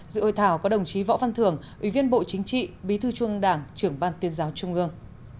dự hội thảo có đồng chí võ phan thường ủy viên bộ chính trị bí thư trung đảng trưởng ban tuyên giáo trung ương